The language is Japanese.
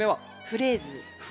フレーズ。